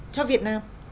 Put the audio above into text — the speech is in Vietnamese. cho việt nam